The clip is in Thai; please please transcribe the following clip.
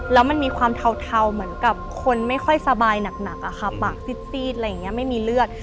แล้วมันมีความเทาเหมือนกับคนไม่ค่อยสบายหนักอะค่ะปากซีดอะไรอย่างนี้ไม่มีเลือด